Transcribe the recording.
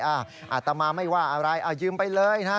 อาตมาไม่ว่าอะไรเอายืมไปเลยนะฮะ